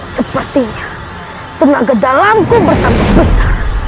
sepertinya tenaga dalamku bersambung besar